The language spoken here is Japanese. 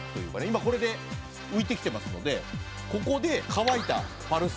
今これで浮いてきてますのでここで乾いたパルスイ。